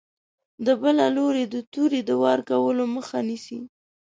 د بل له لوري د تورې د وار کولو مخه نیسي.